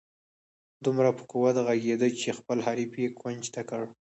دومره په قوت ږغېده چې خپل حریف یې کونج ته کړ.